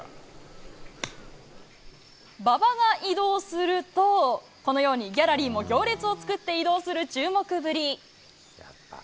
馬場が移動すると、このようにギャラリーも行列を作って移動する注目ぶり。